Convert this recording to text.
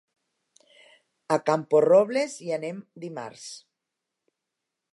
A Camporrobles hi anem dimarts.